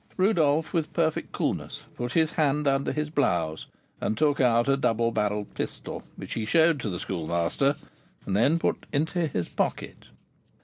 Rodolph, with perfect coolness, put his hand under his blouse, and took out a double barrelled pistol, which he showed to the Schoolmaster, and then put into his pocket.